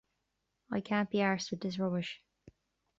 I can't be arsed with this rubbish.